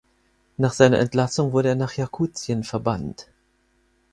Nach seiner Entlassung wurde er nach Jakutien verbannt.